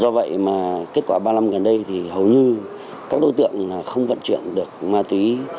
do vậy kết quả ba năm gần đây hầu như các đối tượng không vận chuyển được ma túy